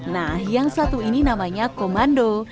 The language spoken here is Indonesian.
nah yang satu ini namanya komando